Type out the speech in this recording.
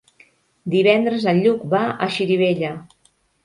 Divendres en Lluc va a Xirivella.